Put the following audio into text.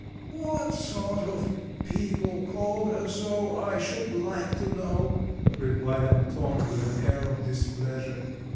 "What sort of people called her so, I should like to know!" replied Anton with an air of displeasure.